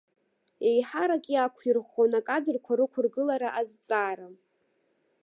Еиҳарак иақәирӷәӷәон акадрқәа рықәыргылара азҵаара.